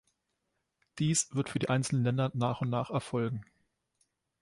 Dies wird für die einzelnen Länder nach und nach erfolgen.